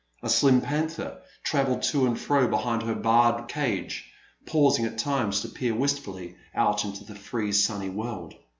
A slim panther travelled to and fro be hind her barred cage, pausing at times to peer wistfully out into the free sunny world.